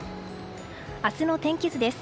明日の天気図です。